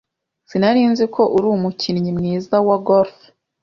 Sinari nzi ko uri umukinnyi mwiza wa golf.